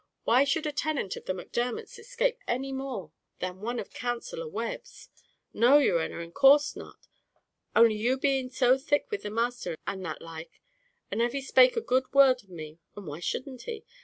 Why should a tenant of the Macdermots escape any more than one of Counsellor Webb's?" "No, yer honer, in course not; only you being so thick with the masther, and that like; and av he'd spake a good word for me as why shouldn't he?